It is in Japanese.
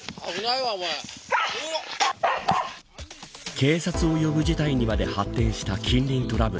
警察を呼ぶ事態にまで発展した近隣トラブル。